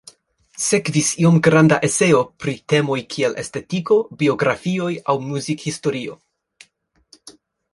Sekvis iom granda eseo pri temoj kiel estetiko, biografioj aŭ muzikhistorio.